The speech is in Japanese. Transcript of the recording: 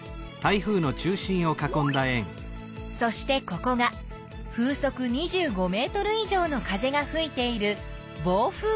そしてここが風速２５ｍ以上の風がふいている暴風いき。